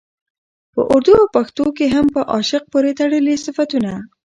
په اردو او پښتو کې هم په عاشق پورې تړلي صفتونه